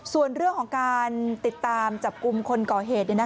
ส่วนเรื่องของการติดตามจับกลุ่มคนก่อเหตุ